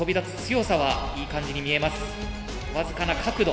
僅かな角度。